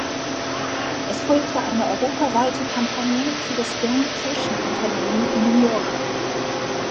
Es folgte eine europaweite Kampagne für das "Young Fashion" Unternehmen New Yorker.